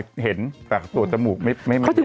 เป็นเห็นแต่ตรวจน้ำลายไม่เห็น